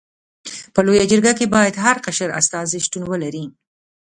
په لويه جرګه کي باید هر قشر استازي شتون ولري.